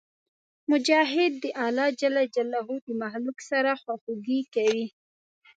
مجاهد د الله د مخلوق سره خواخوږي کوي.